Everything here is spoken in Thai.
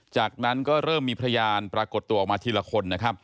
จากนั้นก็เริ่มมีพยานปรากฏตัวออกมาทีละคนนะครับ